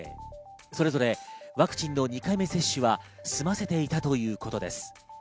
それぞれワクチンの２回目接種は済ませていたということです。